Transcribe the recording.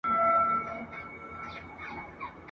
رنګ په رنګ پکښي بویونه د ګلونو !.